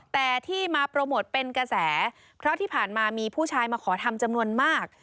แต่ที่มาโปรโมทเป็นกระแสเพราะที่ผ่านมามีผู้ชายมาขอทำจำนวนมาก